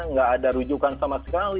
nggak ada rujukan sama sekali